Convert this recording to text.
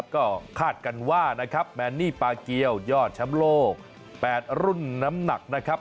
ก็คาดกันว่านะครับแมนนี่ปาเกียวยอดแชมป์โลก๘รุ่นน้ำหนักนะครับ